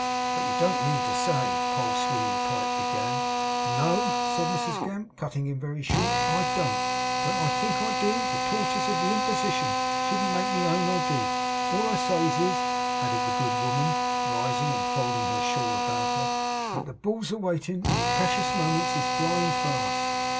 'But you don't mean to say ' Poll Sweedlepipe began. 'No,' said Mrs Gamp, cutting him very short, 'I don't. Don't think I do. The torters of the Imposition shouldn't make me own I did. All I says is,' added the good woman, rising and folding her shawl about her, 'that the Bull's a waitin, and the precious moments is a flyin' fast.